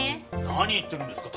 何言ってるんですか。